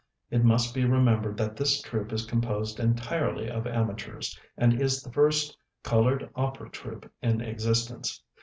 "It must be remembered that this troupe is composed entirely of amateurs, and is the first colored opera troupe in existence.